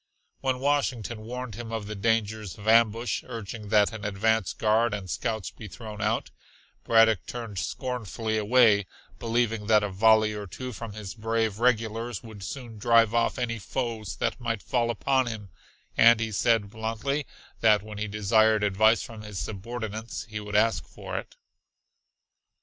When Washington warned him of the dangers of ambush, urging that an advance guard and scouts be thrown out, Braddock turned scornfully away, believing that a volley or two from his brave regulars would soon drive off any foes that might fall upon him, and he said bluntly that when he desired advice from his subordinates he would ask for it.